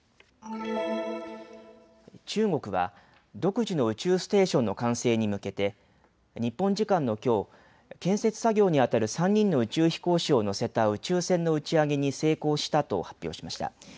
中国は独自の宇宙ステーションの完成に向けて日本時間のきょう建設作業にあたる３人の宇宙飛行士を乗せた宇宙船の打ち上げに成功したと発表しました。